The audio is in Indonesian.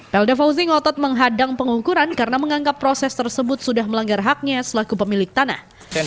pelda fauzi ngotot menghadang pengukuran karena menganggap proses tersebut sudah melanggar haknya selaku pemilik tanah